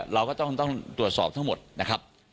เราก็ต้องตรวจสอบทั้งหมดนะครับ